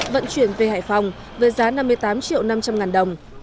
vận chuyển về hải phòng với giá năm mươi tám triệu năm trăm linh ngàn đồng